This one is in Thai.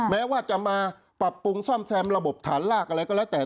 แม้ว่าจะมาปรับปรุงซ่อมแซมระบบฐานลากอะไรก็แล้วแต่